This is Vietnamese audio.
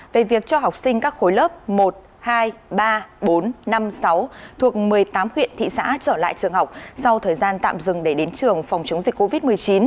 về việc cho học sinh các khối lớp một hai ba bốn năm sáu thuộc một mươi tám huyện thị xã trở lại trường học sau thời gian tạm dừng để đến trường phòng chống dịch covid một mươi chín